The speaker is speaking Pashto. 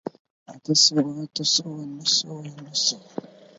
اته سوو، اتو سوو، نهه سوو، نهو سوو